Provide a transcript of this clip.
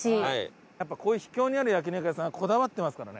やっぱこういう秘境にある焼肉屋さんはこだわってますからね。